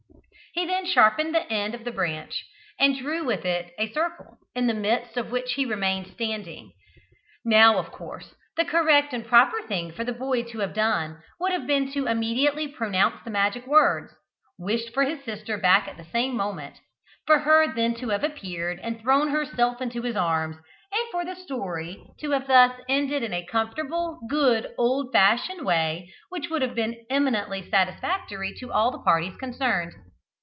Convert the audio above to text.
He then sharpened the end of the branch, and drew with it a circle, in the midst of which he remained standing. Now, of course, the correct and proper thing for the boy to have done would have been to have immediately pronounced the magic words; wished for his sister back at the same moment; for her then to have appeared and thrown herself into his arms, and for the story to have thus ended in a comfortable, good, old fashioned way, which would have been eminently satisfactory to all parties concerned.